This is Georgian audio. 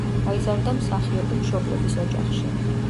გაიზარდა მსახიობი მშობლების ოჯახში.